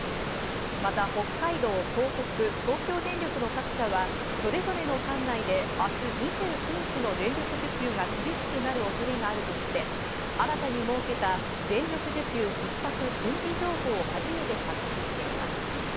また北海道、東北、東京電力の各社はそれぞれの管内で明日２９日の電力需給が厳しくなる恐れがあるとして新たに設けた電力需給ひっ迫準備情報を初めて発出しています。